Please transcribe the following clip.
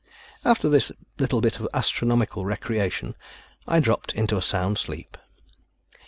After this little bit of astronomical recreation, I dropped into a sound sleep.